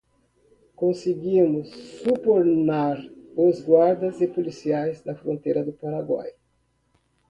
Conseguimos subornar os guardas e policiais da fronteira do Paraguai